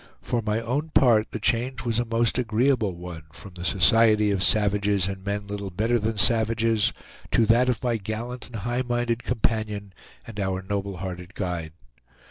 For my own part, the change was a most agreeable one from the society of savages and men little better than savages, to that of my gallant and high minded companion and our noble hearted guide.